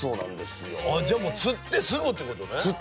じゃあ釣ってすぐということね。